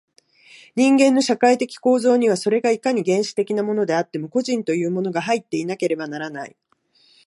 人間の社会的構造には、それがいかに原始的なものであっても、個人というものが入っていなければならない。